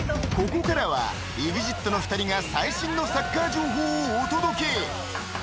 ［ここからはＥＸＩＴの２人が最新のサッカー情報をお届け］